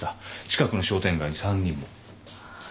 近くの商店街に三人も。